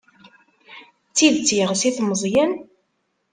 D tidet yeɣs-it Meẓyan?